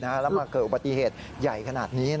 แล้วมาเกิดอุบัติเหตุใหญ่ขนาดนี้